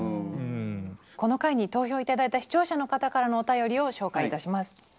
この回に投票頂いた視聴者の方からのお便りを紹介いたします。